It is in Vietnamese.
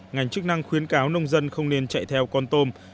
ngành chức năng khuyến cáo nông dân không nên chạy theo con tôm